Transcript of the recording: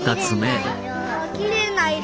きれいな色。